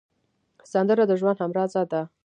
سندره د ژوند همراز ده